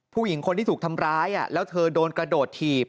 ผู้หญิงคนที่ถูกทำร้ายแล้วเธอโดนกระโดดถีบ